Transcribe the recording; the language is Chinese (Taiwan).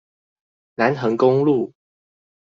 南橫公路